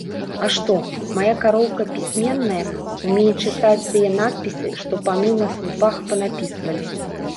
А што, мая кароўка пісьменная, умее чытаць тыя надпісы, што паны на слупах панапісвалі?!